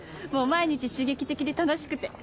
もう毎日刺激的で楽しくて。